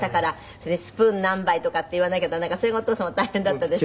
それで「スプーン何杯」とかって言わなきゃならないからそれがお父様大変だったでしょ。